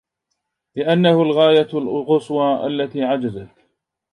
لأنه الغاية القصوى التي عجزت